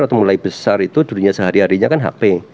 waktu mulai besar itu dulunya sehari harinya kan hp